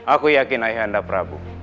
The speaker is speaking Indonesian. aku yakin ayah anda prabu